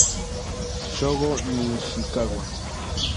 Shogo Nishikawa